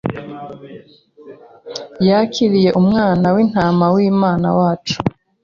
Yakiriye Umwana wintama wImana wacu